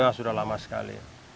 sudah sudah lama sekali